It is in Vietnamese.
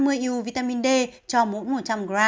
eu vitamin d cho mỗi một trăm linh g